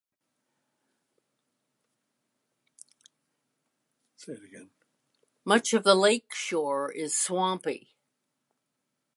Much of the lake shore is swampy.